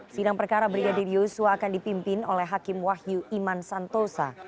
sidang perkara brigadir yosua akan dipimpin oleh hakim wahyu iman santosa